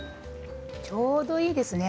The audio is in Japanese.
ちょうどいいですね。